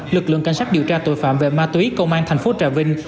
lực lượng cảnh sát điều tra tội phạm về ma túy công an thành phố trà vinh